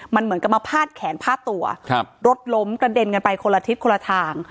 มันเหมือนกับมาพาดแขนพาดตัวครับรถล้มกระเด็นกันไปคนละทิศคนละทาง